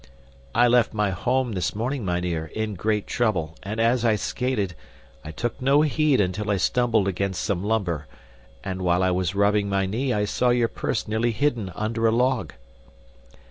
"I left my home this morning, mynheer, in great trouble, and as I skated, I took no heed until I stumbled against some lumber, and while I was rubbing my knee I saw your purse nearly hidden under a log."